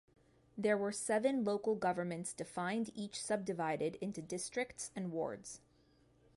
There were seven local governments defined each subdivided into districts and wards.